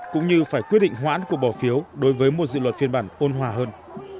cũng như phải quyết định hoãn cuộc bỏ phiếu đối với một dự luật phiên bản ôn hòa hơn